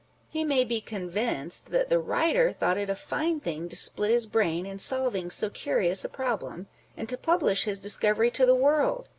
He may be con vinced that the writer thought it a fine thing to split his brain in solving so curious a problem, and to publish his discovery to the world.